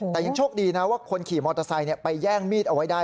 แต่ยังโชคดีนะว่าคนขี่มอเตอร์ไซค์ไปแย่งมีดเอาไว้ได้